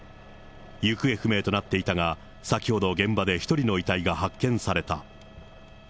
行方不明となっていたが、先ほど現場で１人の遺体が発見された。